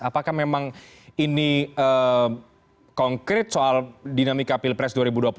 apakah memang ini konkret soal dinamika pilpres dua ribu dua puluh